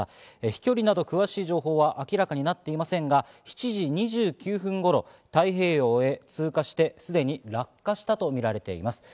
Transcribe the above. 飛距離など詳しい情報は明らかになっていませんが、７時２９分頃、太平洋を通過してすでに落下したとみられています。